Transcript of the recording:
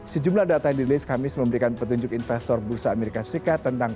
sejumlah data yang dirilis kamis memberikan petunjuk investor bursa amerika serikat tentang